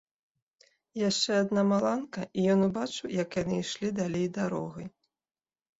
Яшчэ адна маланка, і ён убачыў, як яны ішлі далей дарогай.